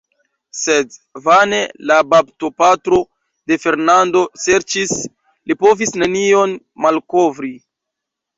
Sed vane la baptopatro de Fernando serĉis; li povis nenion malkovri.